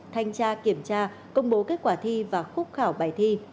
thanh tra kiểm tra công bố kết quả thi và khúc khảo bài thi